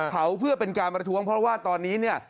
เผาเพื่อเป็นการประท้วงเพราะว่าตอนนี้เนี่ย